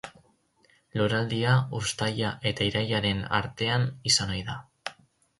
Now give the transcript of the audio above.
Loraldia uztaila eta irailaren artean izan ohi da.